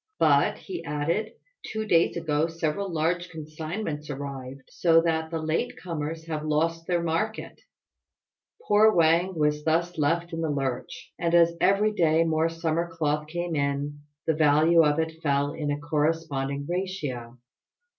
"But," he added, "two days ago several large consignments arrived, and the price went down again, so that the late comers have lost their market." Poor Wang was thus left in the lurch, and as every day more summer cloth came in, the value of it fell in a corresponding ratio.